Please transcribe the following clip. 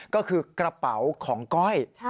ก็คือกระเป๋าของก้อย